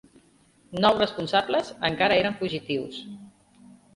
Nou responsables encara eren fugitius.